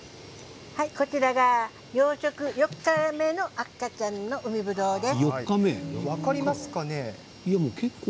こちらが養殖４日目の海ぶどうです。